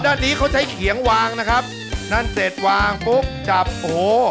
ด้านนี้เขาใช้เขียงวางนะครับนั่นเสร็จวางปุ๊บจับโอ้โห